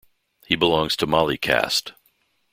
He belongs to Mali caste.